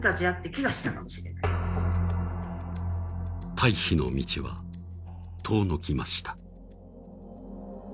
退避の道は遠のきました。